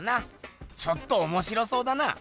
ちょっとおもしろそうだな。